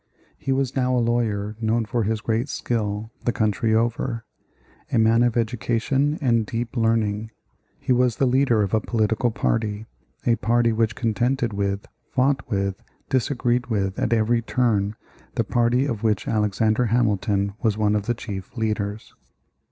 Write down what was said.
He was now a lawyer known for his great skill the country over; a man of education and deep learning. He was the leader of a political party, a party which contended with, fought with, disagreed with at every turn the party of which Alexander Hamilton was one of the chief leaders.